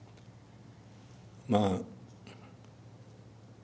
まあ。